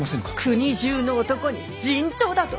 国中の男に人痘だと！？